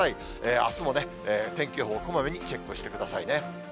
あすも天気予報、こまめにチェックしてくださいね。